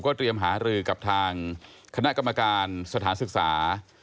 เตรียมหารือกับทางคณะกรรมการสถานศึกษา